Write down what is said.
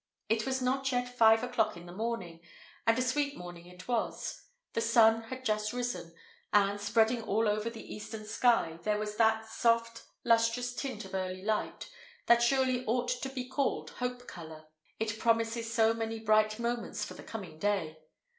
It was not yet five o'clock in the morning, and a sweet morning it was; the sun had just risen, and, spreading all over the eastern sky, there was that, soft, lustrous tint of early light that surely ought to be called hope colour, it promises so many bright moments for the coming day.